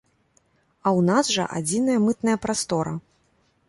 А ў нас жа адзіная мытная прастора.